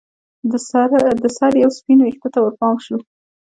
د سر یوه سپین ویښته ته ورپام شو